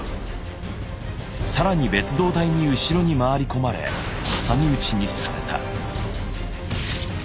更に別動隊に後ろに回り込まれ挟み撃ちにされた。